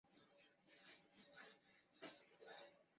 从除夕到元宵节